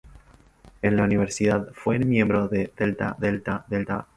En la universidad fue miembro de Delta Delta Delta.